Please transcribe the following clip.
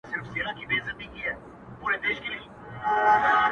زه ، ته او سپوږمۍ.